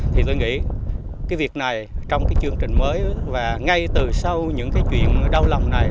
thì tôi nghĩ cái việc này trong cái chương trình mới và ngay từ sau những cái chuyện đau lòng này